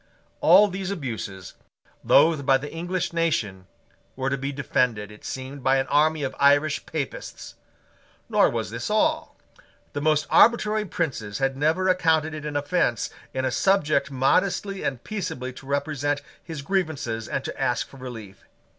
All these abuses, loathed by the English nation, were to be defended, it seemed, by an army of Irish Papists. Nor was this all. The most arbitrary princes had never accounted it an offence in a subject modestly and peaceably to represent his grievances and to ask for relief.